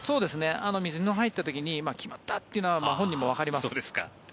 水に入った時に決まった！というのは本人もわかります。